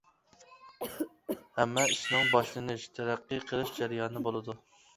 ھەممە ئىشنىڭ باشلىنىش، تەرەققىي قىلىش جەريانى بولىدۇ.